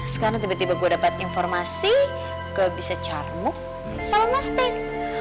sekarang tiba tiba gue dapat informasi gue bisa carmuk sama mas pink